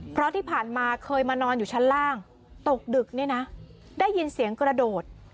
เพราะที่ผ่านมาเคยมานอนอยู่ชั้นล่างตกดึกเนี่ยนะได้ยินเสียงกระโดด